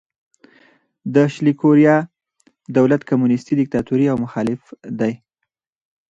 د شلي کوریا دولت کمونیستي دیکتاتوري او مخالف دی.